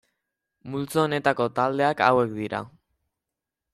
Multzo honetako taldeak hauek dira.